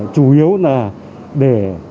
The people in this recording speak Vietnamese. chủ yếu là để